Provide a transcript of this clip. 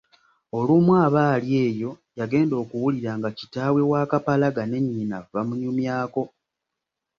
Olumu aba ali eyo yagenda okuwulira nga kitaawe wa Kapalaga ne nnyina bamunyumyako.